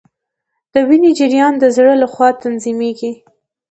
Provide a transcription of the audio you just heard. د وینې جریان د زړه لخوا تنظیمیږي